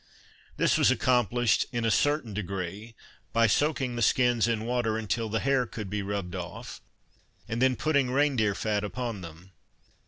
This was accomplished, in a certain degree, by soaking the skins in water until the hair could be rubbed off, and then putting rein deer fat upon them.